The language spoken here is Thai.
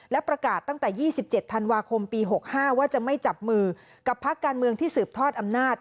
และประกาศตั้งแต่๒๗ธันวาคมปี๖๕ว่าจะไม่จับมือกับพักการเมืองที่สืบทอดอำนาจ